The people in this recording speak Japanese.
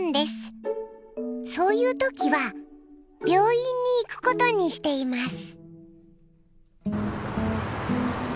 そういう時は病院に行くことにしています！